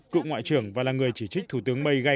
cựu ngoại trưởng và là người chỉ trích thủ tướng may gai gai